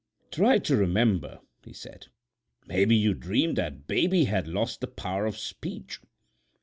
"Try to remember," he said. "Maybe you dreamed that Baby had lost the power of speech."